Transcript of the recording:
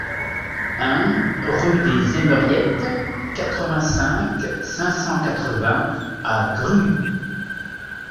un rue des Emeriettes, quatre-vingt-cinq, cinq cent quatre-vingts à Grues